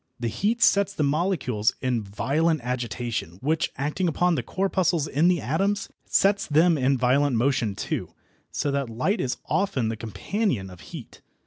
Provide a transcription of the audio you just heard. The heat sets the molecules in violent agitation, which, acting upon the corpuscles in the atoms, sets them in violent motion too, so that light is often the companion of heat.